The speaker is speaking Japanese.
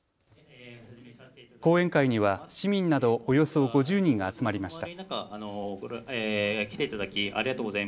講演会には市民などおよそ５０人が集まりました。